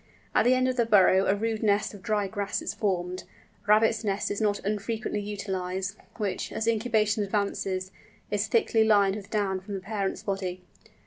At the end of the burrow a rude nest of dry grass is formed—a rabbit's nest is not unfrequently utilised—which, as incubation advances, is thickly lined with down from the parent's body.